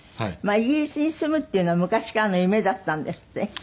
イギリスに住むっていうのは昔からの夢だったんですって？